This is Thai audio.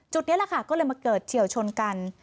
จุดนี้ล่ะค่ะมาเกิดเฉียวชนกัน